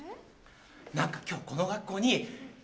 ・何か今日この学校に。